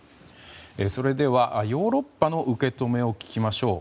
それではヨーロッパの受け止めを聞きましょう。